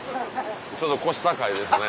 ちょっと腰高いですね。